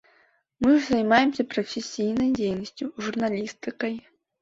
Мы ж займаемся прафесійнай дзейнасцю, журналістыкай.